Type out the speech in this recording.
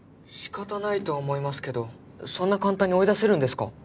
仕方ないとは思いますけどそんな簡単に追い出せるんですか？